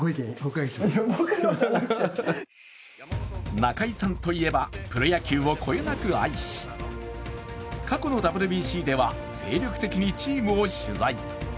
中居さんといえばプロ野球をこよなく愛し、過去のＷＢＣでは精力的にチームを取材。